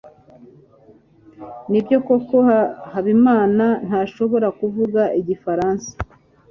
nibyo koko habimana ntashobora kuvuga igifaransa